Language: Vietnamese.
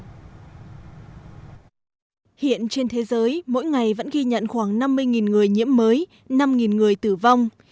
hiện trên thế giới mỗi ngày vẫn ghi nhận khoảng năm mươi người nhiễm mới năm người tử vong